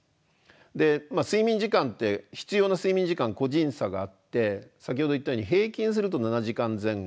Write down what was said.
で睡眠時間って必要な睡眠時間個人差があって先ほど言ったように平均すると７時間前後。